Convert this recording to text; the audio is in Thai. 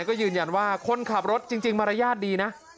ก็ยืนยันว่าคนขับรถจริงมารยาทดีนะ